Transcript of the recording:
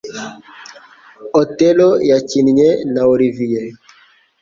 Othello yakinnye na Olivier